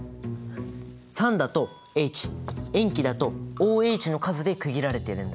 酸だとＨ塩基だとＯＨの数で区切られてるんだ。